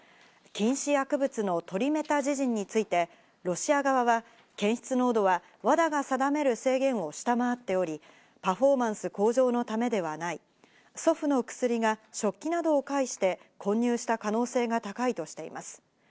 禁止薬物のトリメタジジンについてロシア側は検出濃度はＷＡＤＡが定める制限を下回っており、パフォーマンス向上のためではない、祖父の薬が食器などを介して混入した可能性が高いとしています。